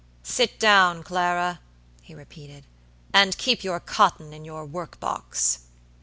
"Sit down, Clara," he repeated, "and keep your cotton in your workbox."